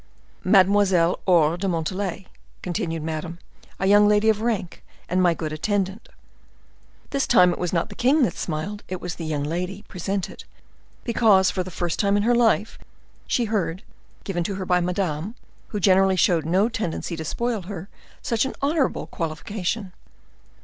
"Mademoiselle Aure de Montalais," continued Madame; "a young lady of rank, and my good attendant." This time it was not the king that smiled; it was the young lady presented, because, for the first time in her life, she heard, given to her by Madame, who generally showed no tendency to spoil her, such an honorable qualification.